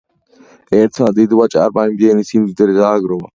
ერთმა დიდვაჭარმა იმდენი სიმდიდრე დააგროვა.